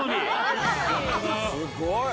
すごい！